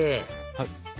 はい。